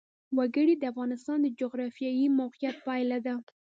وګړي د افغانستان د جغرافیایي موقیعت پایله ده.